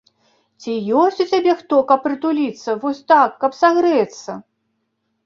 Ці ёсць у цябе хто, каб прытуліцца вось так, каб сагрэцца?